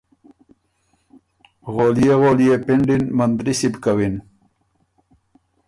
غوليې غوليې پِنډ اِن مندلِستئ بُو کَوِن۔